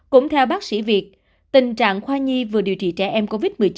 cũng theo bác sĩ việt tình trạng khoa nhi vừa điều trị trẻ em covid một mươi chín